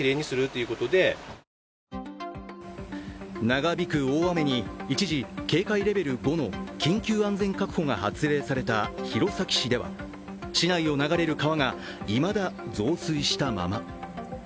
長引く大雨に一時、警戒レベル５の緊急安全確保が発令された弘前市では市内を流れる川がいまだ増水したまま。